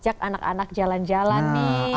ajak anak anak jalan jalan nih